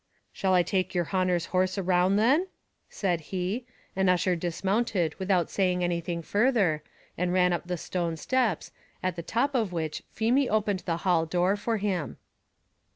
"Shall I take yer honer's horse round then?" said he; and Ussher dismounted without saying anything further, and ran up the stone steps, at the top of which Feemy opened the hall door for him.